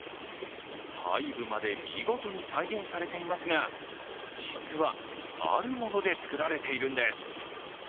細部まで見事に再現されていますが、実は、あるもので作られているんです。